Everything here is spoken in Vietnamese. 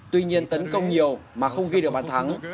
tuy nhiên tấn công nhiều mà không ghi được bàn thắng